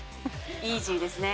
イージーですね。